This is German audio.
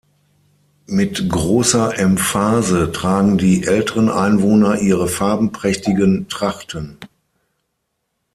Mit großer Emphase tragen die älteren Einwohner ihre farbenprächtigen Trachten.